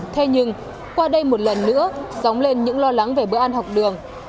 thế nhưng qua đây một lần nữa dóng lên những lo lắng về bữa ăn học đường